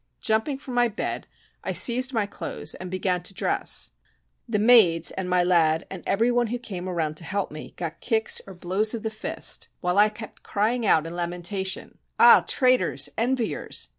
Jumping from my bed, I seized my clothes and began to dress. The maids, and my lad, and every one who came around to help me, got kicks or blows of the fist, while I kept crying out in lamentation, "Ah! traitors! enviers!